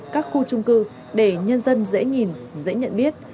các khu trung cư để nhân dân dễ nhìn dễ nhận biết